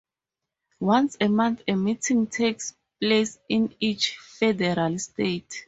Once a month a meeting takes place in each federal state.